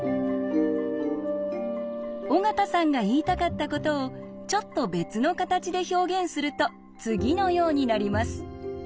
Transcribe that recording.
尾形さんが言いたかったことをちょっと別の形で表現すると次のようになります。